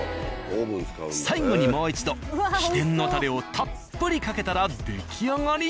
最後にもう一度秘伝のタレをたっぷりかけたら出来上がり。